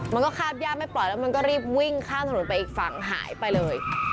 มันก็คาบย่าไม่ปล่อยแล้วมันก็รีบวิ่งข้ามถนนไปอีกฝั่งหายไปเลย